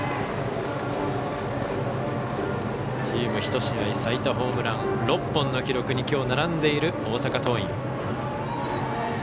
チーム１試合最多ホームラン６本の記録にきょう、並んでいる大阪桐蔭。